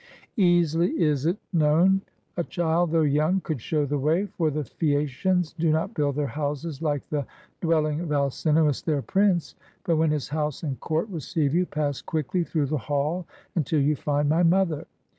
Easily is it known; a child, though young, could show the way; for the Phaeacians do not build their houses like the dwelling of Alcinoiis their prince. But when his house and court receive you, pass quickly through the hall until you find my mother.